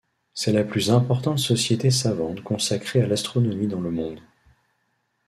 C'est la plus importante société savante consacrée à l'astronomie dans le monde.